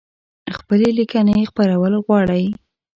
خپلي لیکنۍ خپرول غواړی؟